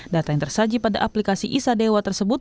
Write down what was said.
data yang tersaji pada aplikasi isadewa tersebut